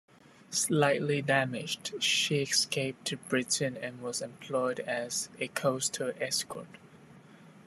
Slightly damaged, she escaped to Britain and was employed as a coastal escort.